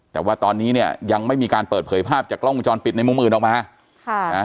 แต่ว่าตอนนี้เนี่ยยังไม่มีการเปิดเผยภาพจากกล้องวงจรปิดในมุมอื่นออกมาค่ะนะ